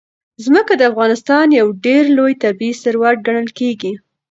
ځمکه د افغانستان یو ډېر لوی طبعي ثروت ګڼل کېږي.